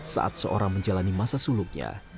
saat seorang menjalani masa suluknya